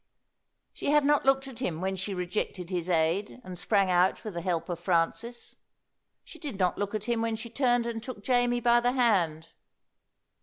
She had not looked at him when she rejected his aid and sprang out with the help of Francis. She did not look at him when she turned and took Jamie by the hand.